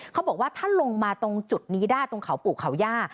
เขาบอกว่าถ้าลงมาตรงจุดนี้ได้ตรงเขาปู่เขาย่า